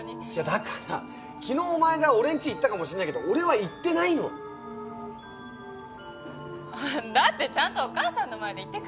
だから昨日お前が俺んち行ったかもしんないけど俺は行ってないの。だってちゃんとお母さんの前で言ってくれたじゃない。